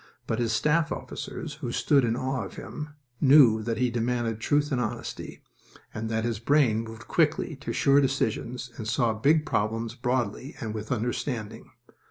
But his staff officers, who stood in awe of him, knew that he demanded truth and honesty, and that his brain moved quickly to sure decisions and saw big problems broadly and with understanding.